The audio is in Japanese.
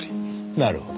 なるほど。